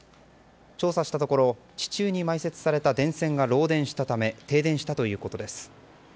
調査したところ地中に埋設された電線が漏電したため停電したということです。